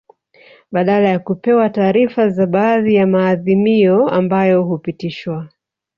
Badala ya kupewa taarifa za baadhi ya maadhimio ambayo hupitishwa